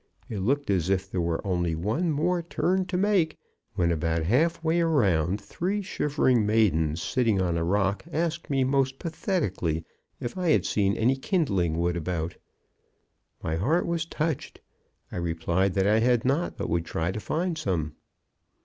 It looked as if there were only one more turn to make, when, about half way around, three shivering maidens sitting on a rock asked me most pathetically if I had seen any kindling wood about. My heart was touched! I replied that I had not, but would try to find some.